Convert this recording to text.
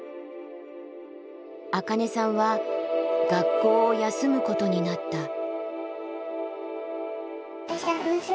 アカネさんは学校を休むことになった。